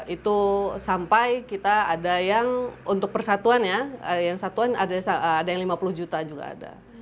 itu sampai kita ada yang untuk persatuan ya yang satuan ada yang lima puluh juta juga ada